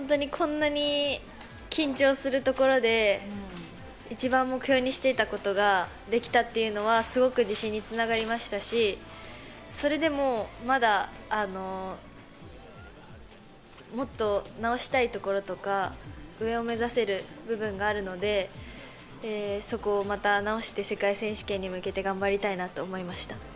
こんなに緊張するところで一番目標にしていたことができたというのは、すごく自信に繋がりましたし、それでもまだもっと直したいところとか、上を目指せる部分があるので、そこをまた直して世界選手権に向けて頑張りたいなと思いました。